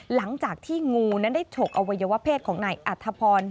หลังจากที่งูนั้นได้ฉกอวัยวะเพศของนายอัธพร